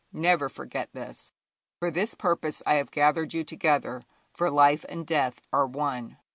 Never forget this. For this purpose have I gathered you together; for life and death are one.'